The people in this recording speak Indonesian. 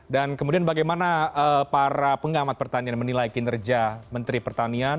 dan kemudian bagaimana para penggamat pertanian menilai kinerja menteri pertanian